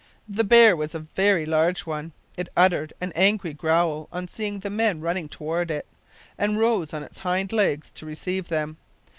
The bear was a very large one. It uttered an angry growl on seeing the men running toward it, and rose on its hind legs to receive them.